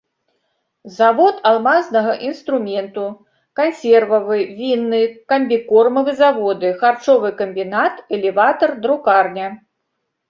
Завод алмазнага інструменту, кансервавы, вінны, камбікормавы заводы, харчовы камбінат, элеватар, друкарня.